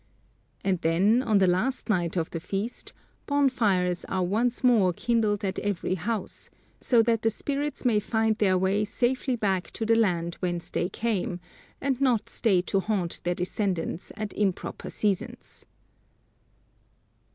And then, on the last night of the feast, bonfires are once more kindled at every house, so that the spirits may find their way safely back to the land whence they came, and not stay to haunt their descendants at improper seasons.